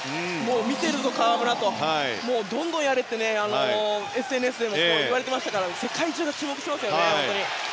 見ているぞ河村、どんどんやれとＳＮＳでもいわれていましたから世界中が注目していますよ。